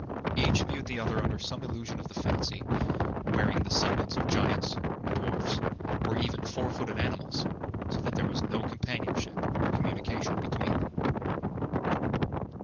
Each viewed the others under some illusion of the fancy, wearing the semblance of giants, dwarfs, or even four footed animals, so that there was no companionship or communication between them.